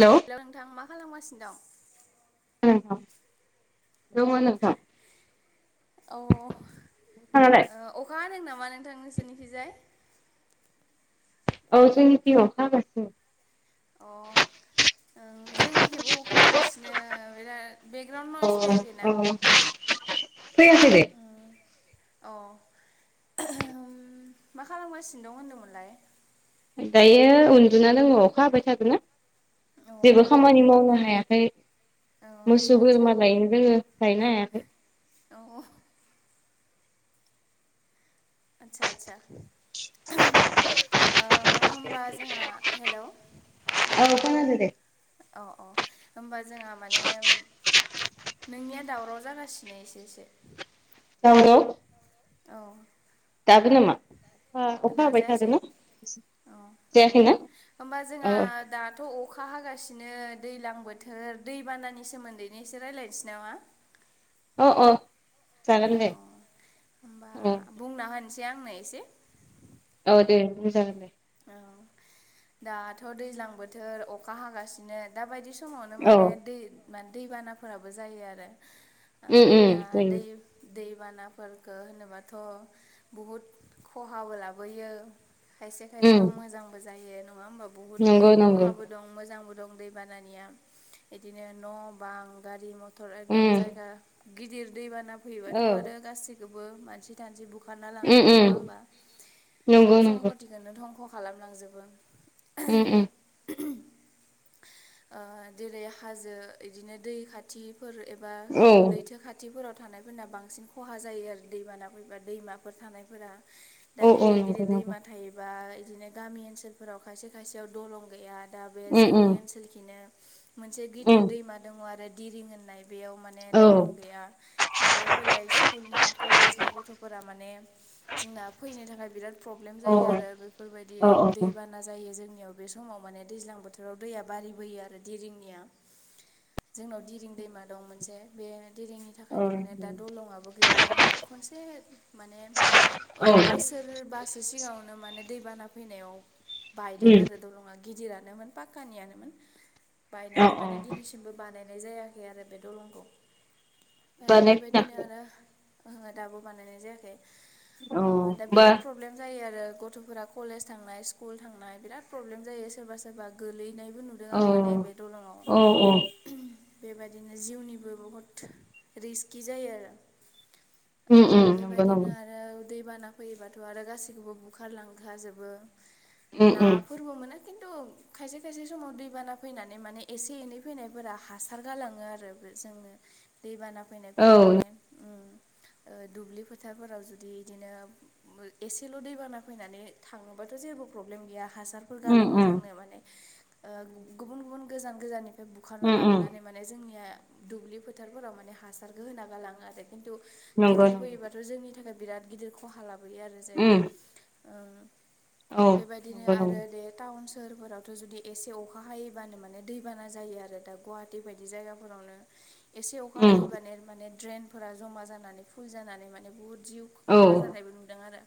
हेल' hello नोंथां मा खालामगासिनो दं? उम दङ नोंथां। औ औ [unintelligible] अखा हदों नामा नोंथां नोंसोरनिखिजाय। औ जोंनिथिं अखा हागासिनो दं अ ओं जोंनिखेबो अखा हागासिनो बिराद बेकग्राउणड नयस फैयाखैना? फैआखै अ मा खालामगासिनो दं होनदोंमोनलाय। दायो उन्दुना दङ अखा हाबाय थादो ना अ औ जेबो खामानि मावनो हायाखै आदसा मोसौ आदसा बोरमालायनो दोङो लाइनो हायाखै औ औ आदसा आदसा ओ होमबा जोंहा हेलौ औ खोनादों दे औ अ होमबा जोंहा माने नोंनिया दावराव जागासिनो एसे एसे नंगौ। औ दाबो नामा अखा अखा हाबाय दााजायासै थादोंना औ औ जायाखैना होनोमबा अ जोंहा दाथ' अखा हागासिनो दैज्लां बोथोर दैबानानि सोमोन्दैनो एसे रायज्लायनोसै नामा? अ अ जागोन दे। अ होमबा औ बुंना होनोसै आंनो एसे औ दे बुं जागोन औ दाथ' दैज्लां बोथोर अखा हागासिनो दा बायदि समावनो औ माने दै माने दैबानाफोराबो जायो आरो। उम उम दा जायो दै दैबानाफोरफोरखौ होनोबाथ' बुहुद खहाबो लाबोयो खायसे उम बेयाव मोजांबो जायो नङा होमबा बुहुत नंगौ नंगौ खहाबो दं मोजांबो दं दै बानिया बिदिनो न' बां गारि मथ उम एकदम जायगा गिदिर दैबाना फैयोबाथ' औ आरो गासिखौबो मानसि बुखारना उम लांजोबो उम नङा होमबा नंगौ सोब नंगौ सम्पथिखौनो दं खालामलांजोबो उम उम ओ जेरै हाजो बिदिनो दै खाथिफोर एबा औ लैथो खा खाथिफोराव थानायफोरना बांसिन खहा जायो आरो दैबाना फैबा दैमाफोर थानायफोरा दा औ औ गिदिर नंगौ गिदिर नंगौ दैमा थायो। [inaudible] बिदिनो गामि ओनसोलफोराव खायसे खायसेयाव दलं गैया दा बे उम उम जोंनि ओनसोल बिनो मोनसे उम गिदिर दैमा दङ आरो दं होननाय माने औ दलं गैया थांलाय फैलाय स्कुलनि कलेजनि गथ'फोरा माने जोंना फैनो थाखाय बिराद प्रब्लेम औ जायो आरो बेफोरबायदि औ दैबाना नाजायो जोंनियाव बे समाव माने दैज्लां बोथोराव दैया बारारि बोयो आरो देरिंनिया जोंनाव दिरिं दैमा दं मोनसे बे दिरिंनि औ थाखायनो माने दा दंआबो गैया खनसे माने औ बो उम सोरबासो सिगाङावनो माने दैबाना फैनायाव बायदों आरो आन्दौ नङा गिदिरानोमोन पाक्कानियानोमोन अ बायनानै माने दिनैसिमबो बानायनाय जायाखै आरो बे दलंखौ बानाय बेबायदिनो खोनाखै आरो आो दाबो बानायनाय जायाखै औ दा बा बिराद प्रब्लेम जायो आरो गथ'फोरा कलेज थांनाय स्कुल थांनाय बिराद प्रब्लेम जायो सोरबा सोरबा गोलैनायबो नुयो दों औ आं माने बे दलङाव औ औ बेबादिनो जिउनिबो बहुत रिस्कि जायो आरो उम उम नंगौ बेबायदिनो नंगौ आरो उदै दै बाना फैयोबाथ' आरो गासिखौबो बुखारलांखाजोबो उम ना उम फोरबो मोने खिन्थु खायसे खायसे समाव दै दैबाना फैनानै माने एसे एनै फैनायफोरा हासार गालाङो आरो जोंनो दैबाना औ फैनायफोरा माने दुब्लि फोथारफोराव जुदि इदिनो एसेल' दैबाना फैनानै थाङोबाथ' जेबो प्रब्लेम गैया हासार फोरा उम नंआ जोंनो माने ओ गुबुन गुबुन गोजान गोजान निफ्राय बुखारना उम उम लाबोनानै माने जोंनिया दुब्लि फोथारफोराव माने हासारखौ होना गालाङो आरो खिन्थु नंगौ गिदिर फैयोबाथ' जोंनि थाखाय बिराद गिदिर खहा लाबोयो आरो जेन उम औ बेबायदिनो नंगौ नंगौ आरो द टाउन सोहोरफोरावथ' जुदि एसे अखा खा हायोबानो माने दैबाना जायो आरो दा गुवाहाटि बायदि जायगाफोरावनो एसे अखा उम हायबानो माने ड्रेनफोरा जमा जानानै फुल जानानै माने बुहुद जिउ औ खहा जानायबो नुदों आरो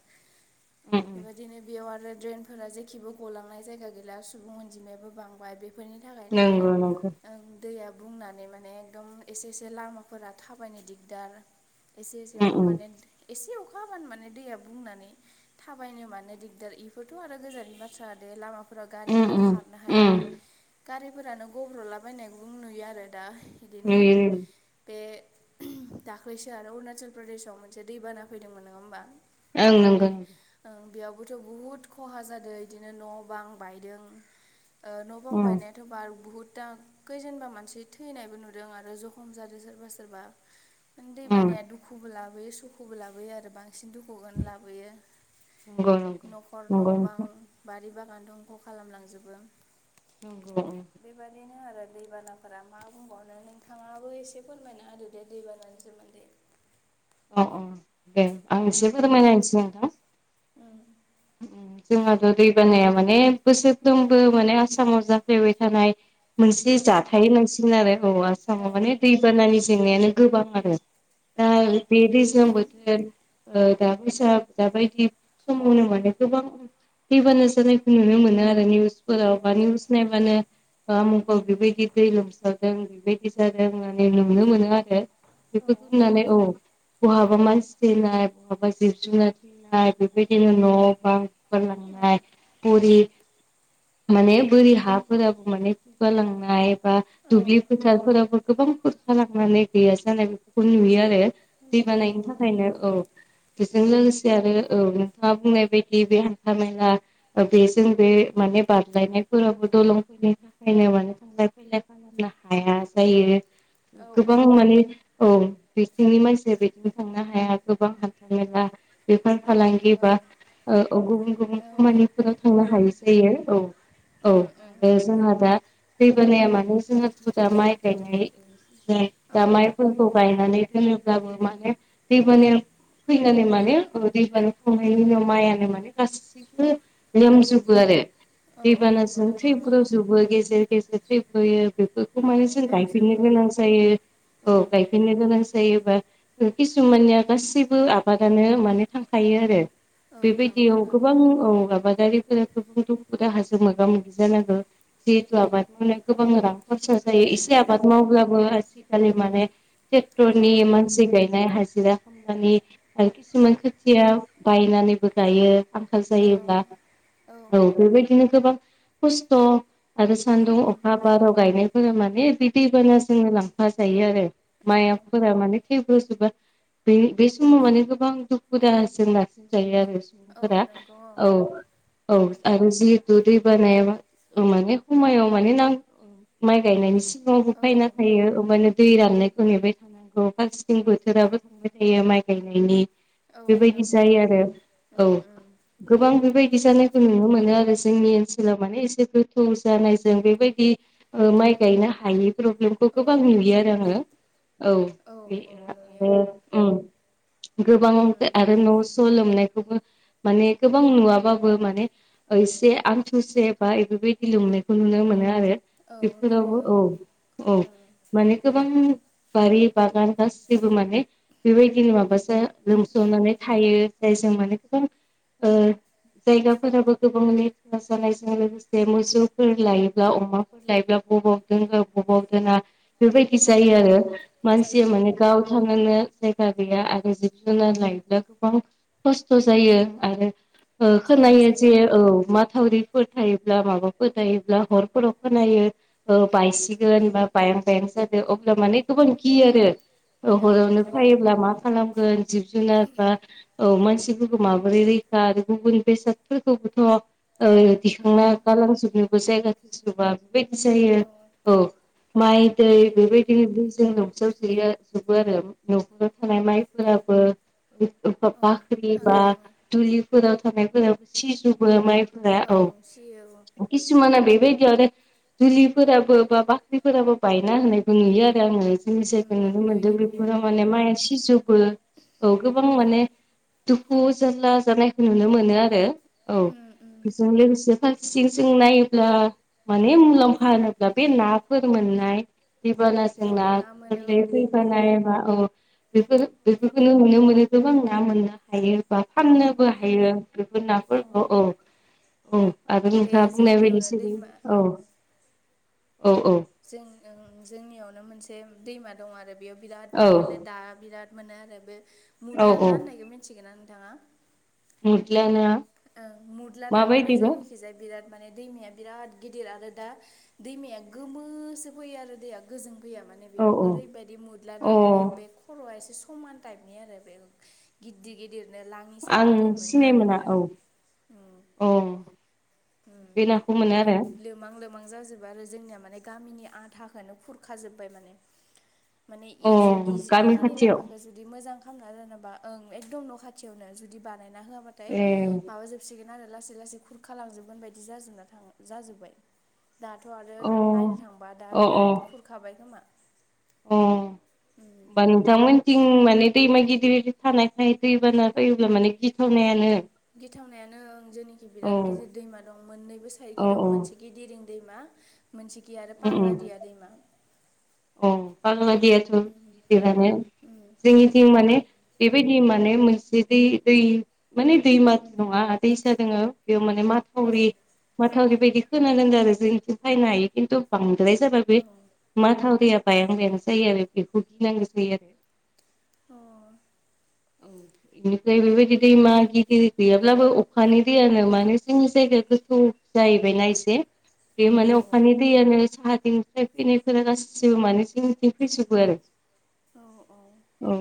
उम बेबायदिनो बेयाव आरो द्रेन फोर जेखेबो गलांनाय जायगा गैला सुबुं अनजिमायाबो बांबाय बे बेफोरनि थाखायनो माने नंगौ नंगौ ओं दैया बुंनानै माने एकदम एसे एसे लामाफोरा थाबायनो दिगदार एसे उम एसेयावनो उम माने एसे अखा हाबानो माने दैया बुंनानै थाबायनो मानो दिगदार इफोरथ' आरो गोजाननि बाथ्रा दे लामाफोराव उम गारिफोरा उम खारनो हाया उम गारिफोरानो गब्र'लाबायनाय नुयो आरो दा बिदिनो नुयो बे दाख्लैसो आरो अरुणाचल प्रदेशआव मोनसे दैबाना फैदोंमोन नङा होमबा ओं नंगौ बेयावबोथ' बुहुद खहा जादों बिदिनो न' बां बायदों न' उम बुंंबाय ने थ' बार बहुदाखैजेनबा मानसि थैनायबो नुदों आरो जखम जादों सोरबा सोरबा माने दै उम बानाया दुखुबो लाबोयो सुख'बो लाबोयो आरो बांसिन दुखु खुगुन लाबोयो नंगौ नंगौ न'खर नंगौ न' बां नोंथां। बारि बागानखौ अंख' खालामलांजोबो [unintelligible] बेबायदिनो आरो दैबानाफोरा मा बुंबावनो नोंथाङाबो एसे फोरमायना आरो दे दैबानानि सोमोन्दै अ अ दे आं गसे फोरोमाय नायनोसै नों ओं जोंहाथ' दै बानाया माने बोसोरफ्रंबो माने आसामाव जाफ्लायबाय थानाय मोनसे औ जाथाय नांसिन आरो औ आसामाव माने औ दैबानानि जेंनायानो गोबां आरो दा बे दैज्लां बोथोर दैसा दाबायदि समावनोमोन गोबां फैबानो जानायखौ नुनो मोनो आरो औ निउसफोराव बा निउस नायबानो मा मुगाव बेबायदि दै लोमसावदों बेबायदि जादों होननानै नुनो मोनो आरो बेखौनानै औ बहाबा मानसि थैनाय बहाबा जिब जुनार थैनाय बेबायदिनो न' ब औ लां फुर [unintelligible] माने बोरि हाफोराबो माने खुगालांनाय बा औ दुब्लि फोथारफोरावबो गोबां खुरखा लांनानै गैया जानाय बेफोरखौ नुयो आरो दै नुयो बानायनि औ थाखायनो औ नुयो बेजों लोगोसे आरो औ नोंथाङा बुंनाय बायदि बे बे हानथा मेला बेजों बे माने बारलायनायफोराबो दलंफोरनि थाखायनो मान थांलाय फैलाय नो हाया जायो औ गोबां माने औ बिथिंनि मानसिया बिदिनो थांनो हाया गोबां हान्था मेला बेफोर फालांगि औ बा औ औ गुबुन गुबुन औ खामानिफोराव थांनो हाय जायो औ औ उम उम आरो जोंहा दा दैबानाया मानो जोंहाथ' दा माइ गायनाय औ दा औ माइफोरखौ गायनानै दोनोब्लाबो माने दै बानाया फैनानै माने दैबानो खमहैनायनि माइआ माने गासैखौबो लेमजोबो आरो औ औ नंगौ दैबानाजों नंगौ थैफ्रावजोबो गेजेर गेजेर थै फोयो बेफोरखौ औ माने जों गायफिननो लेमजोबो गोनां जायो औ उम ग - बेनो गोनां जायोबा किसुमाननिया गासैबो आबादानो माने थांखायो आरो औ थाङो बेबायदियाव थाङो गोबां औ आबादारि गोबां दुखु दाहाजों मोगा मोगि जानांगौ जिहेतु आबाद मावनाय गोबां रां खरसा जायो एसे आबाद मावब्लाबो आजिखालि माने औ ट्रेक्टरनि मानसि गायनाय हाजिरा ख खिसुमान खोथिया बायनानै गायो आंखाल औ जायोब्ला औ बेबायदिनो गोबां खस्थ' आरो उम सान्दुं उम अखा बाराव गायनायफोरा माने बि दैबाना जोङो लांफा जायो आरो औ माइ फोरा माने थब्रजोबो बे बे समाव माने गोबां दुखु दाहजों नारसिनजायो आरो औ नंगौ औ औ ओं आरो जिहेतु दै बानायाबा माने समायाव माने नांगौ माइ गायनायनि सिगाङावबो फायना ओं थायो ओबानो दै राननायखौ नेबाय थानो नांगौ फांसेथिं बोथोराबो थांबाय थायो माइ गायनायनि औ बेबायदि नंगौ जायो ओं आरो औ [unintelligible] गोबां बेबायदि जानायखौ नुनो मोनो आरो जोंनि ओनसोलाव माने एसे गोथौ जानायजों बेबायदि माइ गायनो हायि प्रब्लेमखौ औ गोबां नुयो आरो आंङो औ बे औ औ नुयो आरो गोबांओं ओं आरो न' स' लोमनायखौबो माने गोबां नुवाबाबो माने एसे आंथुसे बा बेफोरबायदि लोंनायखौ नुनो मोनो आरो औ बेफोरावबो नुयो औ ओं औ उम माने गोबां बारि बागान गासैसिबो माने बेबायदिनो माबासो लोमस'नानै थायो जायजों माने खम ओ जायगाफोराबो गोबाङ जानायजों लोगोसे मोसौफोर लायोब्ला अमा लायोब्ला बबाव दोननो बबाव दोना बेफोरबायदि उम जायो उम आरो मानसिया जायो माने औ गाव थनोनो जायगा गैया आरो जिब जुनार लायोब्ला गोबां खस्थ जायो आरो जायो खोनायो जे जायो औ मा थावरि फोथायोब्ला माबा फोथायोब्ला हरफोराव खोनायो ओ बायसिगोन बा बायां बायां जादो अब्ला माने गोबां गियो आरो। औ हरावनो गियो फायोब्ला मा खालामगोन जिब जुनार बा औ मानसि माबोरै रैखा आरो गुबुन बेसादफोरखौबोथ' उम दिखांना गालांजोबनोबो जायगा थैजोबा बेबायदि औ जायो औ माइ दै औ बेबायदिनो जों न'साव जयो जोबो आरो न'खराव थानाय माइफोराबो औ बाख्रि बा थाङो थाङो दुलिफोराव थानायफोरावबो सिजोबो माइफोरा औ सियो औ खिसुमान बेेबायदि आरो डुलिफोराबो बा बाख्रिफोराबो बायना होननायबो नुयो आरो आङो ऐसे उम उम नुनो मोन्दों नुयो नुयो बेफोराव माने माइ सिजौबो औ गोबां माने दुखु जारला जानायखौ नुनो मोनो आरो औ उम उम बेजों लोगोसे फारसेथिं सिं नायोब्ला माने मुलाम्फा होनोब्ला बे नाफोर मोननाय दैबानाजों औ ना मोनो गोरलै औ फैयो बानायनायबा औ बेफोर बेफोरखौनो नुनो मोनो गोबां ना मोनो हायो बा उम फाननोबो हायो बेफोर नाफोरखौ औ औ आगोल बे नोंथांङा बुंनाय जोंनियावनो बायदिसै बे दैमा औ औ औ जों जोंनियावनो मोनसे दैमा दं आरो बेयाव बिराद औ ना मोनो। दा बिराद मोनो आरो बे औ मुदला औ ना होननायखौ मिन्थिगोना नोंथाङा? [unintelligible] ओं मुदला दा मोनो माबायदिबा जोंनिखिजाया बिराद माने दैमाया बिराद गिदिर आरो दा दैमाया गोमोसो फैयो आरो दैया गोजों फैया मोन औ बेयाव औ ओरैबायदि मुरदला ना अ मोनो बे खर'आ एसे समान टाइपनि आरो बे गिददिर गिदिर बिदिनो लाङि आं साबाथाय मोनो सिनाय आरो मोना औ बिराद अ माने बे नाखौ मोनो आरो [unintelligible] लोमां लोमां जाजोबबाय आरो जोंनिया माने गामिनि आधाखोननो खुरखाजोबबाय माने माने अ इजु गामि इखिनि खाथियाव लामाखौ जुदि मोजां फांना रानोबा ओं एकदम न' खाथियावनो जुदि बानायना होआबाथाय ए माबााजोबसिगोन आरो लासै लासै खुरखा लांजोबगोन बायदि जाजोबना थांङो जाजोब्बाय दाथ' आरो अ नायनो थांबा दा बिराद खुरखाबाय खोमा उम बा नोंथामोन थिं माने दैमा गिदिर गिदिर थानायख दै बाना बायोब्ला माने गिथावनायानो गिथावनायानो जोंनिखि औ बिराद गिदिर दैमा दं मोननैबो औ साइडखि दं मोनसे औ गिदिरिं दैमा मोनसे गि आरो फाग्ला दिया दैमा औ फाग्ला दिया गिदिरबानो जोंनिथिं माने बेबायदि माने मोनस्रि दै दै माने दैमा नंङा दैसा दोङो बेयाव माने माथ औ माथावरि माथावरि बायदि खोनागोनदों आरो जोंनिथिं फैनो हायो खिन्थु बांद्राय जाबा बे औ अ मा थावरिया बायां बायां जायो आरो बेखौ गिनांगौ जायो आरो अ [unintelligible] औ बेनिफ्राय बेबायदि दैमा गिदिर गैयाब्लाबो अखानि दैयानो मानो जोंनि जायगाया गोथौ जाहैबायना एसे बे औ माने अखानि दैयानो साहा दिं फैनायफोरा गासिबो मानै जोंनिथिं फैजोबो आरो औ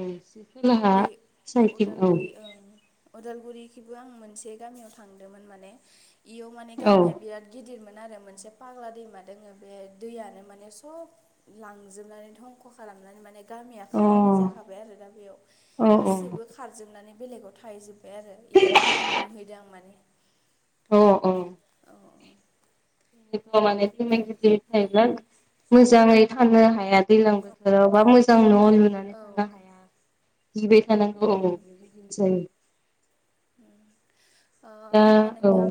खोलाहा बै साइथिं औ अदालगुरि ओं अदालगुरिखिबो आं मोनसे गामियाव थांदोंमोन माने इयाव माने औ गामिया बिराद गिदिरमोन आरो मोनसे फाग्ला दैमा दोंङो बे दैयानो माने सब लांजोबनानै धंख' खालामनानै माने गामिया अ औ खालि जाखाबाय आरो दा बेयाव औ गासैबो खारजोबनानै बेलेगाव थाहैजोबबाय ओमफफ्राय आरो बिदि गामि नुहैदों आं माने अ औ औ औ मान [unintelligible] मोजांङै थानो हाया दैलां बोथोराव बा मोजां न' लुनो औ ओ। गिबाय थानांगौ जायो। ओम ओ दा ओमबा औ नोंथां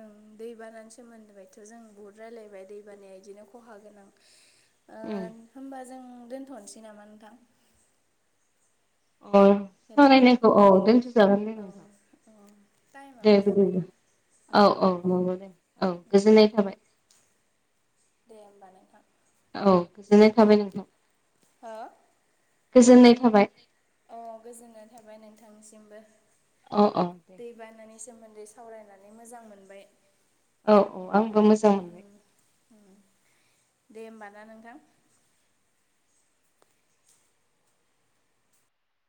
ओं दैबानि सोमोन्दैथ' जों बहुद रायलायबाय दैबानाया इदिनो खहा गोनां ओ उम होमबा जों दोनथ'नोसै नामा नोंथां? अ। हेलौ सावरायनायखौ औ अ दोनथ'जागोन दे औ नोंथां औ दे टाइमाबो बिदिब्ला जाबायना। [inaudible] औ औ नंगौ दे औ गोजोननाय थाबाय। दे ओमबा नोंथां। औ गोजोननाय थाबाय नोंथां। हो गोजोननाय थाबाय औ गोजोननाय थाबाय नोंथांसिमबो। अ अ। दैबानानि सोमोन्दै सावरायनानै मोजां मोनबाय। औ औ आंबो मोजां मोनो। ओम दे होमबा ना नोंथां।